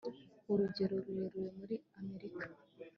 urugendo rurerure muri amerika